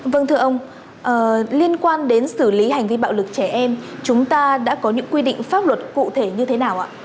vâng thưa ông liên quan đến xử lý hành vi bạo lực trẻ em chúng ta đã có những quy định pháp luật cụ thể như thế nào ạ